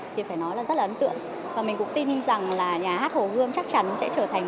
thì phải nói là rất là ấn tượng và mình cũng tin rằng là nhà hát hồ gươm chắc chắn sẽ trở thành